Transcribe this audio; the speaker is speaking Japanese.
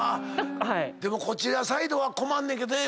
でもこちらサイドは困んねんけどね。